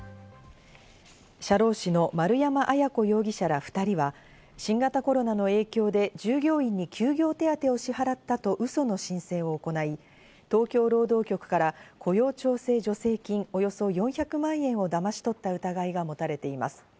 社労士の丸山文子容疑者ら２人は新型コロナの影響で従業員に給料手当を支払ったとウソの申請を行い、東京労働局から雇用調整助成金およそ４００万円をだまし取った疑いが持たれています。